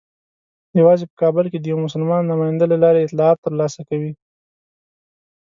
یوازې په کابل کې د یوه مسلمان نماینده له لارې اطلاعات ترلاسه کوي.